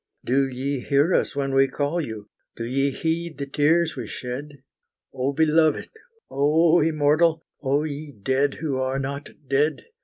Do ye hear us when we call you, do ye heed the tears we shed, Oh beloved! oh immortal! oh ye dead who are not dead!